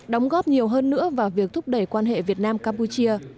đóng góp nhiều hơn nữa vào việc thúc đẩy quan hệ việt nam campuchia